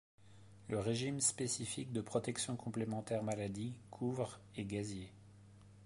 Le régime spécifique de protection complémentaire maladie couvre et gaziers.